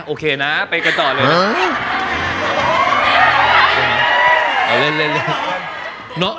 โอเคนะไปกันต่อเลย